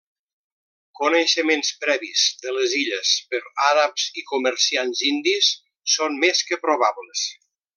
Coneixements previs de les illes per àrabs i comerciants indis són més que probables.